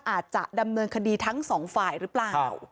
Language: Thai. อาจจะดำเนินคดีทั้งสองฝ่ายหรือเปล่า